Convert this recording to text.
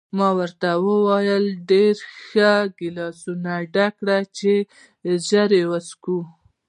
ما ورته وویل: ډېر ښه، ګیلاسونه ډک کړه چې ژر وڅښو.